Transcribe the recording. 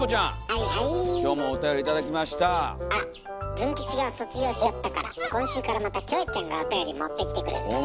ズン吉が卒業しちゃったから今週からまたキョエちゃんがおたより持ってきてくれるのね。